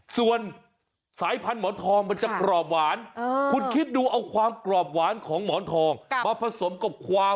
ส่วนสายพันธุ์หมอนทองมันจะกรอบหวานคุณคิดดูเอาความกรอบหวานของหมอนทองมาผสมกับความ